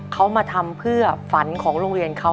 เขามาทำเพื่อฝันของโรงเรียนเขา